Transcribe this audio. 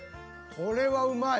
これはうまい。